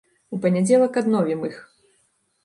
У панядзелак адновім іх.